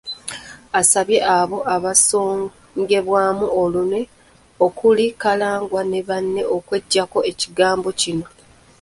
Asabye abo abasongebwamu olunwe okuli Kalangwa ne banne okweggyako ekigambo kino.